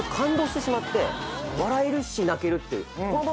笑えるし泣けるっていう。